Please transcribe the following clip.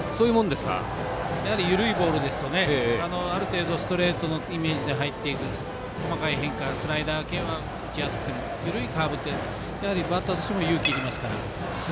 緩いボールですと、ある程度ストレートのイメージで入っていく細かい変化、スライダー系は打ちやすくても、緩いカーブはバッターとしても勇気がいりますから。